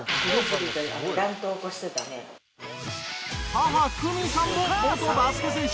母久美さんも元バスケ選手。